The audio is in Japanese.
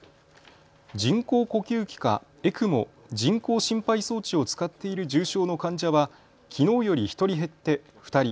人工呼吸器かＥＣＭＯ・人工心肺装置を使っている重症の患者はきのうより１人減って２人。